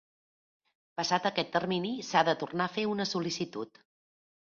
Passat aquest termini, s'ha de tornar a fer una sol·licitud.